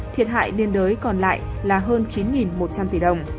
thiệt hại liên đới còn lại là hơn chín một trăm linh tỷ đồng